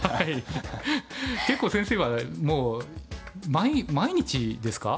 結構先生はもう毎日ですか？